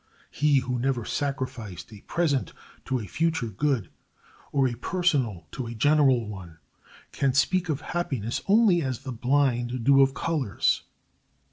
He who never sacrificed a present to a future good, or a personal to a general one, can speak of happiness only as the blind do of colors.